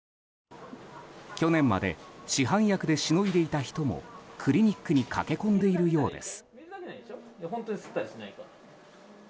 去年まで市販薬でしのいでいた人もクリニックに駆け込んでいるようです。